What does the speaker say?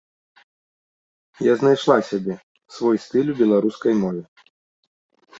Я знайшла сябе, свой стыль у беларускай мове.